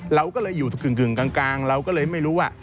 เราก็เลยอยู่กึ่งกลางเราก็เลยไม่รู้ว่า